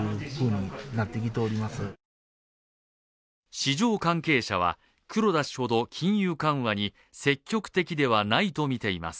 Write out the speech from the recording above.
市場関係者は、黒田氏ほど金融緩和に積極的でないとみています。